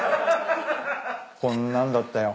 こんなんだったよ。